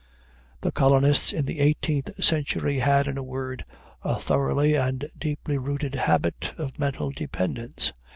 The colonists in the eighteenth century had, in a word, a thoroughly and deeply rooted habit of mental dependence.